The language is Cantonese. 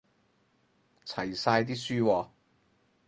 齊晒啲書喎